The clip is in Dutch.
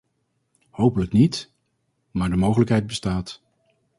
Hopelijk niet, maar de mogelijkheid bestaat.